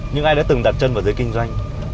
những ai đã từng đặt chân vào dưới kinh doanh